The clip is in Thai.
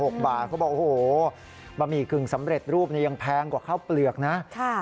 เขาบอกโอ้โหบะหมี่กึ่งสำเร็จรูปนี้ยังแพงกว่าข้าวเปลือกนะ